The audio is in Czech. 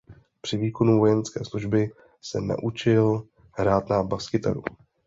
Při výkonu vojenské služby se naučil hrát na baskytaru.